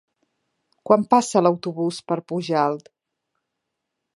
Quan passa l'autobús per Pujalt?